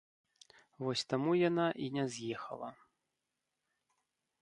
Вось таму яна і не з'ехала.